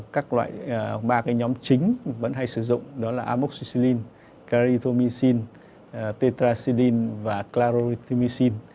các loại ba cái nhóm chính vẫn hay sử dụng đó là amoxicillin caritomycin tetraxidin và claritomycin